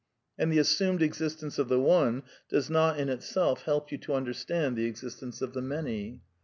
And the assumed existence of the One does not, in itself, help you to understand the existence of the Many.